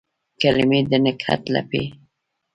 کلمې د نګهت لپې